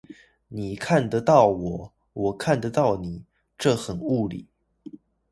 你看得到我，我看得到你，這很物理